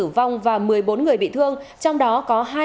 vâng chào chị